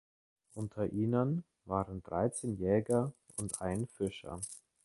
Unter ihnen waren dreizehn Jäger und ein Fischer.